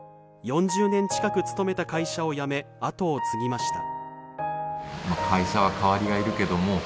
４０年近く勤めた会社を辞め後を継ぎました。